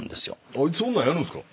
あいつそんなんやるんすか？